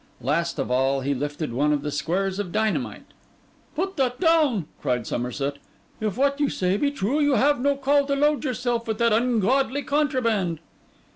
Last of all, he lifted one of the squares of dynamite. 'Put that down!' cried Somerset. 'If what you say be true, you have no call to load yourself with that ungodly contraband.